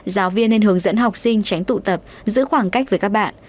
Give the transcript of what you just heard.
giáo viên nên hướng dẫn học sinh tránh tụ tập giữ khoảng cách với các bạn